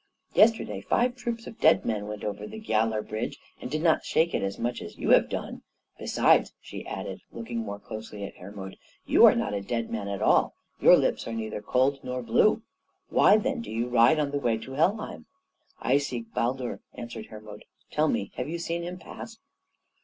Yesterday five troops of dead men went over the Giallar Bridge and did not shake it so much as you have done. Besides," she added, looking more closely at Hermod, "you are not a dead man at all. Your lips are neither cold nor blue. Why, then, do you ride on the way to Helheim?" "I seek Baldur," answered Hermod. "Tell me, have you seen him pass?"